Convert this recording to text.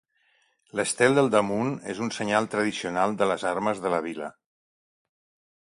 L'estel del damunt és un senyal tradicional de les armes de la vila.